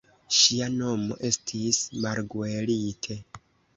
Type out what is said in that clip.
Ŝia nomo estis Marguerite.